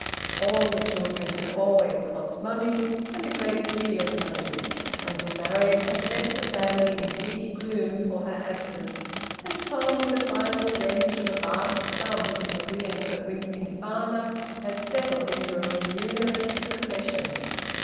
All the children had always cost money, and a great deal of money, until Marian had left the family in deep gloom for her absence, and Tom, with a final wrench of a vast sum from the willing but wincing father, had settled into a remunerative profession.